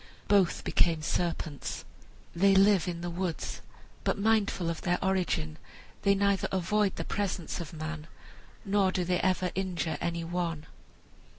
Both became serpents. They live in the woods, but mindful of their origin, they neither avoid the presence of man nor do they ever injure any one.